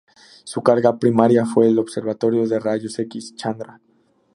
Su carga primaria fue el Observatorio de Rayos X Chandra.